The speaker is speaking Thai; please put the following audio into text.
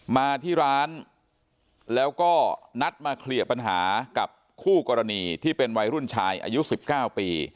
มาที่ร้านแล้วก็นัดมาเคลียร์ปัญหากับคู่กรณีที่เป็นวัยรุ่นชายอายุ๑๙ปี